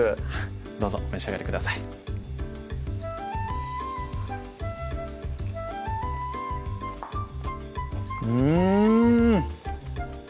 どうぞお召し上がりくださいうん！